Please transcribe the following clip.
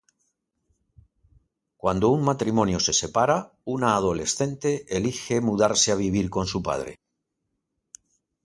Cuando un matrimonio se separa, una adolescente elige mudarse a vivir con su padre.